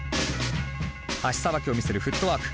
足さばきを見せるフットワーク。